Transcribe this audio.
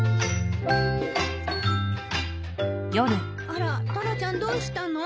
あらタラちゃんどうしたの？